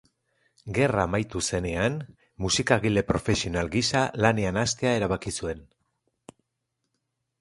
Gerra amaitu zenean, musikagile profesional gisa lanean hastea erabaki zuen.